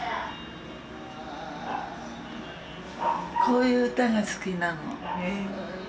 こういう歌が好きなの。